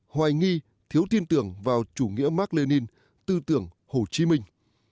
hoài nghi thiếu tin tưởng vào chủ nghĩa mạc lê ninh tư tưởng hồ chí minh